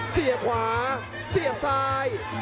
เสียบขวาเสียบซ้าย